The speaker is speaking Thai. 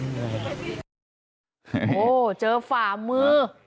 โหเจอฝ่ามือ